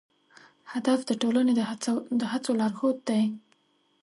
هدف د ټولنې د هڅو لارښود دی.